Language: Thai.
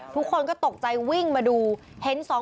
ทุกคนก็ตกใจวิ่งมาดูเห็น